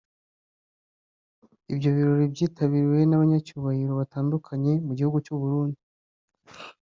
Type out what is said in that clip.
Ibyo birori byitabiriwe n’abanyacyubahiro batandukanye mu gihugu cy’u Burundi